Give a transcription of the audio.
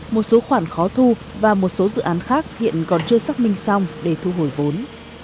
một số khoản khó thu và một số dự án khác hiện còn chưa xác minh xong để thu hồi vốn